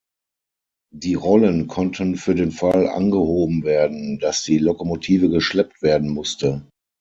Die Rollen konnten für den Fall angehoben werden, dass die Lokomotive geschleppt werden musste.